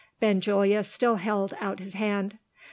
Benjulia still held out his hand.